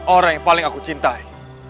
orang yang paling aku cintai